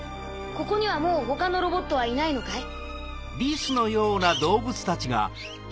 ここにはもう他のロボットはいないのかい？